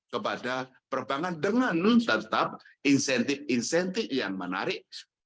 kepada perbankan dengan tetap insentif insentif yang menarik